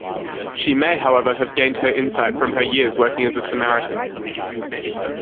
She may however have gained her insight from her years working as a Samaritan.